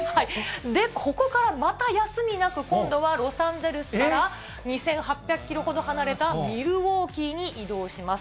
で、ここからまた休みなく、今度はロサンゼルスから、２８００キロほど離れたミルウォーキーに移動します。